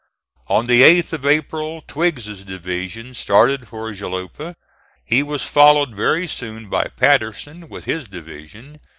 On the 8th of April, Twiggs's division started for Jalapa. He was followed very soon by Patterson, with his division.